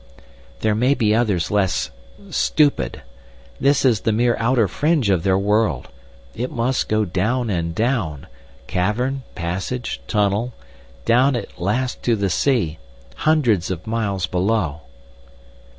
"There may be others less stupid. This is the mere outer fringe of their world. It must go down and down, cavern, passage, tunnel, down at last to the sea—hundreds of miles below."